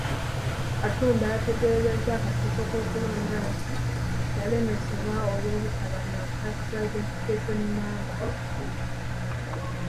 Katumba yategeezezza akakiiko k'ebyokulonda nti yalemeseddwa olw'obutaba na Tax Identification Namba.